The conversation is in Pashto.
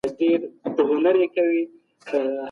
کمپيوټر پوهنه د هر علمي مرکز لپاره پکار ده.